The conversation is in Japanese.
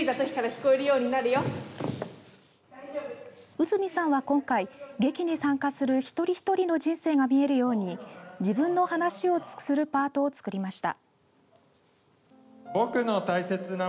内海さんは今回劇に参加する一人一人の人生が見えるように自分の話をするパートを作りました。